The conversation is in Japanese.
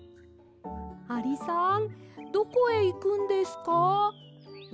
アリさんどこへいくんですか？